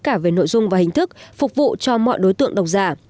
cả về nội dung và hình thức phục vụ cho mọi đối tượng độc giả